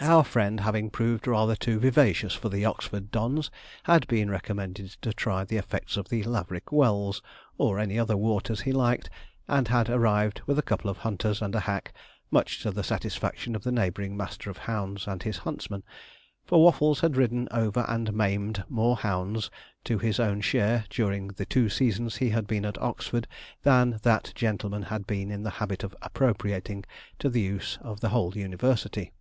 Our friend, having proved rather too vivacious for the Oxford Dons, had been recommended to try the effects of the Laverick Wells, or any other waters he liked, and had arrived with a couple of hunters and a hack, much to the satisfaction of the neighbouring master of hounds and his huntsman; for Waffles had ridden over and maimed more hounds to his own share, during the two seasons he had been at Oxford, than that gentleman had been in the habit of appropriating to the use of the whole university.